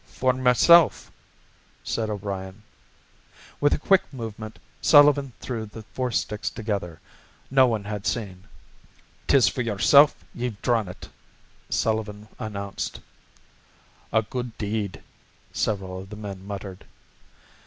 "For myself," said O'Brien. With a quick movement, Sullivan threw the four sticks together. No one had seen. "'Tis for yourself ye've drawn it," Sullivan announced. "A good deed," several of the men muttered.